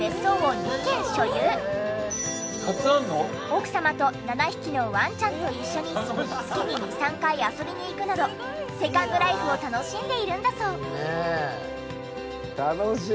奥様と７匹のワンちゃんと一緒に月に２３回遊びに行くなどセカンドライフを楽しんでいるんだそう。